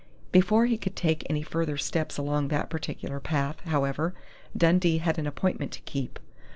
Before he could take any further steps along that particular path, however, Dundee had an appointment to keep.